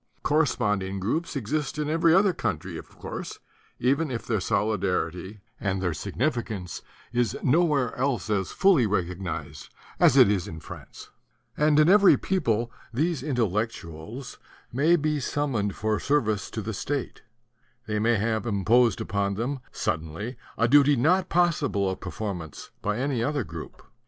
Corre sponding groups exist in every other country, of course, even if their solidarity and their signifi cance is nowhere else as fully recognized as it is in France; and in every people these Intellec tuals may be summoned for service to the state; they may have imposed upon them suddenly a duty not possible of performance by any other group.